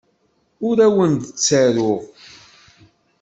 Ur awent-d-ttaruɣ.